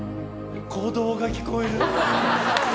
鼓動が聞こえる！